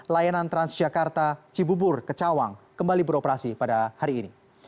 layanan transjakarta cibubur ke cawang kembali beroperasi pada hari ini